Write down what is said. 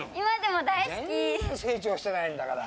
全然成長してないんだから。